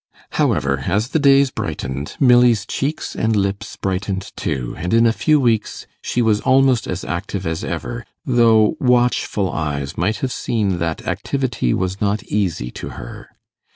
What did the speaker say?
However, as the days brightened, Milly's cheeks and lips brightened too; and in a few weeks she was almost as active as ever, though watchful eyes might have seen that activity was not easy to her.